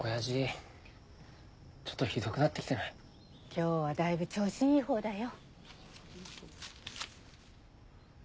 今日はだいぶ調子いい方だよ。